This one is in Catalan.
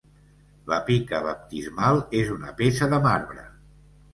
La pica baptismal és una peça de marbre.